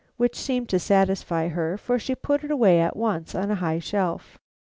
Which seemed to satisfy her, for she put it away at once on a high shelf.